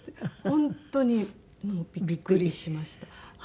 本当にもうビックリしました。